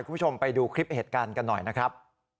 คุณผู้ชมไปดูคลิปเหตุการณ์กันหน่อยนะครับ